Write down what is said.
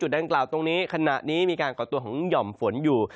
ดังกล่าวตรงนี้ขณะนี้มีการก่อตัวของห่อมฝนอยู่